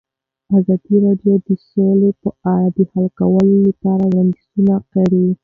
ازادي راډیو د سوله په اړه د حل کولو لپاره وړاندیزونه کړي.